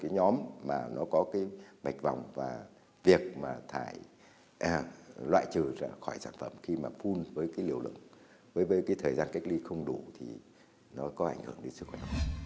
nhóm có bạch vòng và việc loại trừ khỏi sản phẩm khi mà phun với thời gian cách ly không đủ thì nó có ảnh hưởng đến sức khỏe